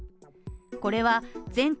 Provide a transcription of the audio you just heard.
これは全国